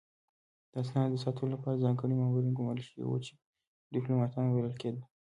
د اسنادو د ساتلو لپاره ځانګړي مامورین ګمارل شوي وو چې ډیپلوماتان بلل کېدل